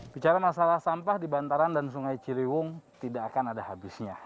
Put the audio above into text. bicara masalah sampah di bantaran dan sungai ciliwung tidak akan ada habisnya